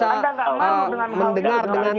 anda nggak malu dengan